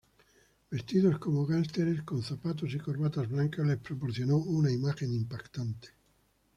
Vestidos como gánsteres, con zapatos y corbatas blancas, les proporcionó una imagen impactante.